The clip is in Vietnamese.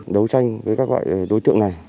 đấu tranh với các loại đối tượng này